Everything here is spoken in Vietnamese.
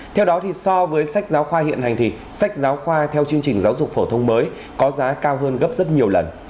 theo đó thì so với sách giáo khoa hiện hành thì sách giáo khoa theo chương trình giáo dục phổ thông mới có giá cao hơn gấp rất nhiều lần